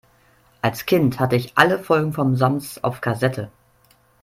Als Kind hatte ich alle Folgen vom Sams auf Kassette.